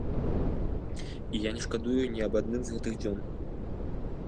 І я не шкадую ні аб адным з гэтых дзён.